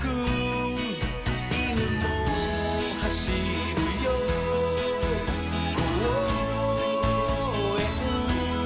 「いぬもはしるよこうえん」